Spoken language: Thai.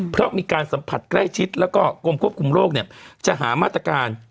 เพราะมีการสัมผัสไกล้ชิดและกลมควบคุมโรคจะหามาตรการ